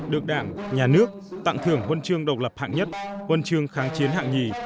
được đảng nhà nước tặng thưởng huân chương độc lập hạng nhất huân chương kháng chiến hạng nhì